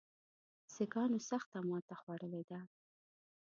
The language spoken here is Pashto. سیکهانو سخته ماته خوړلې ده.